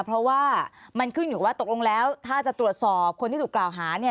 เพราะว่ามันขึ้นอยู่ว่าตกลงแล้วถ้าจะตรวจสอบคนที่ถูกกล่าวหาเนี่ย